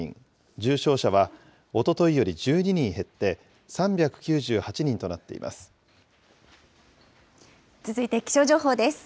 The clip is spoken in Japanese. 重症者はおとといより１２人減って、３９８人となっています。